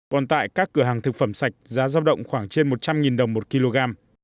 còn tại các cửa hàng thực phẩm sạch giá giao động khoảng trên một trăm linh đồng một kg